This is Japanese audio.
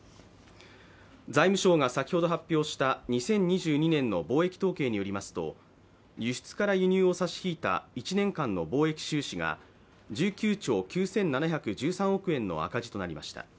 財務省が先ほど発表した２０２２年の貿易統計によりますと、輸出から輸入を差し引いた１年間の貿易収支が１９兆９７１３億円の赤字となりました。